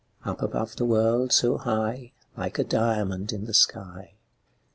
Up above the world so high, Like a diamond in the sky.